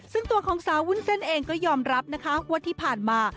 ซึ่งตัวของสาววุ้นเส้นเองก็ยอมรับนะคะว่าที่ผ่านมา